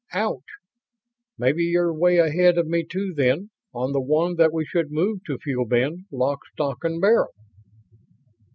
"Ouch. Maybe you're 'way ahead of me too, then, on the one that we should move to Fuel Bin, lock, stock and barrel?"